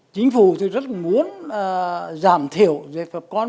chính phủ thì rất muốn giảm thiểu về vật con